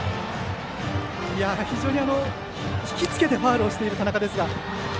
非常に引きつけてファウルをしている田中ですが。